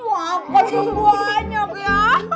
wah apa sih banyak ya